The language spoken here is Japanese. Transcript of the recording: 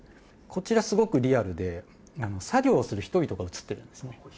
こちら、すごくリアルで、作業をする人々が写ってるんですね。